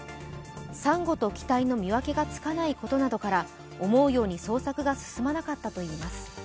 さんごと機体の見分けがつかないことなどから、思うように捜索が進まなかったといいます。